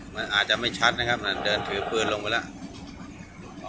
มันอาจจะไม่ชัดนะครับขนาดเดินถือปืนลงไปแล้ว